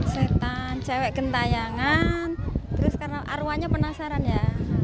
setan cewek kentayangan terus karena arwahnya penasaran ya